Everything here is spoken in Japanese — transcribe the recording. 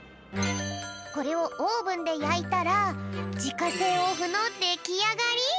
これをオーブンでやいたらじかせいおふのできあがり！